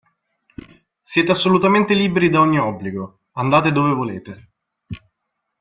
Siete assolutamente liberi da ogni obbligo, andate dove volete.